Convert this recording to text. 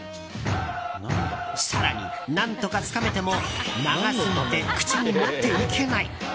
更に、何とかつかめても長すぎて口に持っていけない。